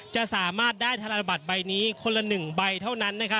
จะสามารถได้ธนบัตรใบนี้คนละ๑ใบเท่านั้น